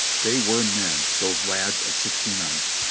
They were men! those lads of Sixty ninth.